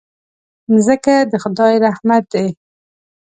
مځکه د خدای رحمت دی.